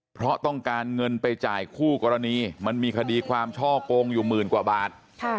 เพราะต้องการเงินไปจ่ายคู่กรณีมันมีคดีความช่อกงอยู่หมื่นกว่าบาท